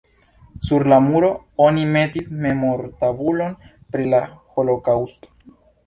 Sur la muro oni metis memortabulon pri la holokaŭsto.